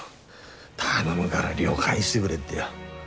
頼むがら亮返してくれってよ。